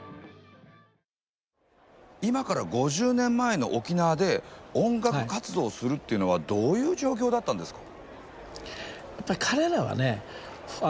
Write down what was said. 今から５０年前の沖縄で音楽活動するっていうのはどういう状況だったんですか？